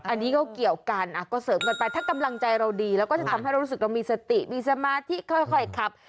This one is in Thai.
อันนี้ก็เกี่ยวกันก็เสริมกันไปถ้ากำลังใจเราดีแล้วก็จะทำให้เรารู้สึกเรามีสติมีสมาธิค่อยขับ